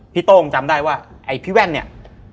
โต้งจำได้ว่าไอ้พี่แว่นเนี่ย